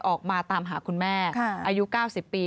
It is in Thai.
ออกมาตามหาคุณแม่อายุ๙๐ปี